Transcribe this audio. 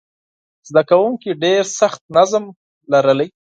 زده کوونکي ډېر سخت نظم درلود.